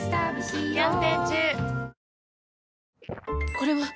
これはっ！